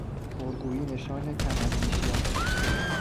پرگویی نشان کم اندیشی است.